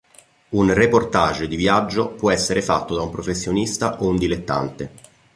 Un reportage di viaggio può essere fatto da un professionista o un dilettante.